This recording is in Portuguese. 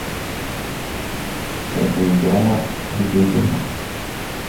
Quem tem terra, fica enterrado.